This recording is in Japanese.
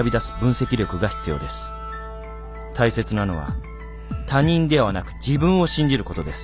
大切なのは他人ではなく自分を信じることです。